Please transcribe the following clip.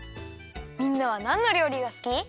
みんなはなんのりょうりがすき？